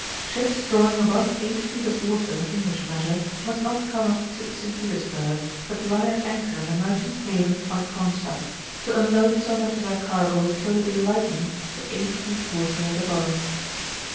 Ships drawing above 8 feet of water, English measure, must not come up to St. Petersburg, but lie at anchor in the Merchant's Haven by Gronstadt, to unload so much of their cargo till they be lightened to 8 feet water as above.